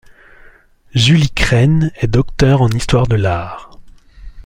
Julie Crenn est docteure en histoire de l'art.